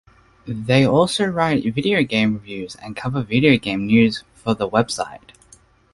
They also write video game reviews and cover video game news for the website.